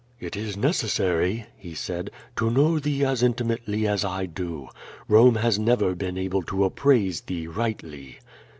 "It is necessary," he said, "to know thee as intimately as I do. Rome has I QUO VADIS. 301 never been able to appraise thee rightl}'.''